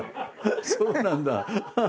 そうなんだ。